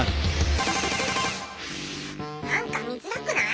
なんか見づらくない？